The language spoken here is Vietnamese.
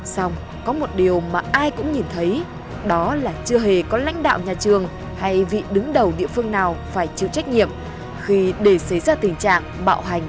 xong có một điều mà ai cũng nhìn thấy đó là chưa hề có lãnh đạo nhà trường hay vị đứng đầu địa phương nào phải chịu trách nhiệm khi để xảy ra tình trạng bạo hành